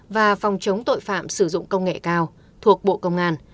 và phòng chống tội phạm sử dụng công nghệ cao thuộc bộ công an